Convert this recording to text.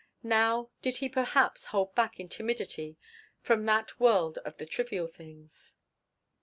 Now did he perhaps hold back in timidity from that world of the trivial things?